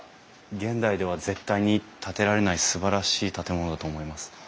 現代では絶対に建てられないすばらしい建物だと思います。